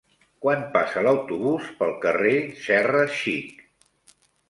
Quan passa l'autobús pel carrer Serra Xic?